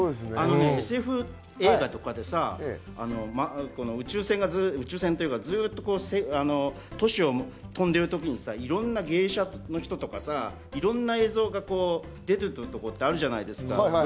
ＳＦ映画とかで宇宙船というか、都市を飛んでいる時にいろんな芸者の人とか、映像が出ているところってあるじゃない。